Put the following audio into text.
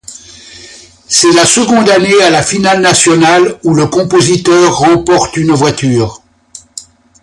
C'est la seconde année à la finale nationale, où le compositeur remporte une voiture.